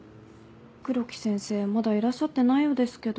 黒木先生まだいらっしゃってないようですけど。